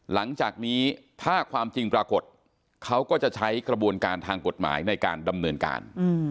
หลังจากนี้ถ้าความจริงปรากฏเขาก็จะใช้กระบวนการทางกฎหมายในการดำเนินการ